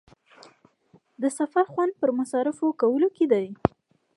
د سفر خوند پر مصارفو کولو کې دی.